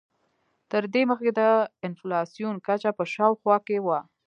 تر دې مخکې د انفلاسیون کچه په شاوخوا کې وه.